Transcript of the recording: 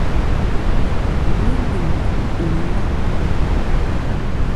Lo énɛn nkhú olá.